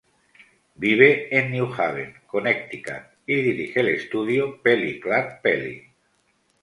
Vive en New Haven, Connecticut y dirige el estudio Pelli Clarke Pelli.